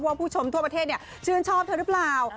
ผู้ชมทั่วประเทศชื่นชอบเธอหรือเปล่า